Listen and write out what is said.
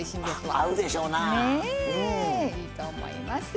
ねえいいと思います。